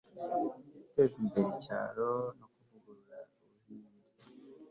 guteza imbere icyaro no kuvugurura ubuhinzi